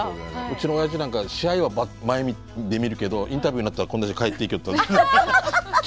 うちのおやじなんか試合は前で見るけどインタビューになったらこんなして帰っていきよった。